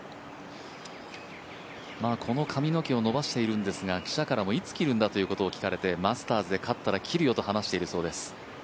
この髪の毛を伸ばしているんですが、記者からもいつ切るんだと聞かれてマスターズで勝ったら切るよと話しているそうです。